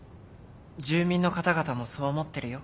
住民の方々もそう思ってるよ。